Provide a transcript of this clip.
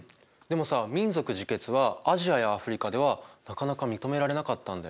でもさ民族自決はアジアやアフリカではなかなか認められなかったんだよね。